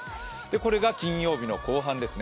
これが金曜日の後半ですね。